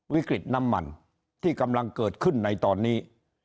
วิกฤตน้ำมันที่กำลังเกิดขึ้นในตอนนี้